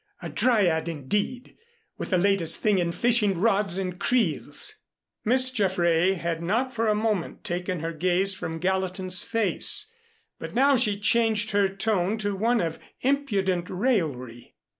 A Dryad, indeed, with the latest thing in fishing rods and creels!" Miss Jaffray had not for a moment taken her gaze from Gallatin's face, but now she changed her tone to one of impudent raillery.